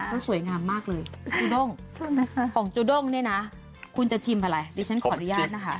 ก็สวยงามมากเลยจูด้งของจูด้งเนี่ยนะคุณจะชิมอะไรดิฉันขออนุญาตนะคะ